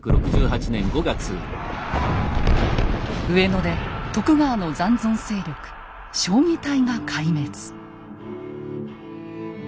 上野で徳川の残存勢力彰義隊が壊滅。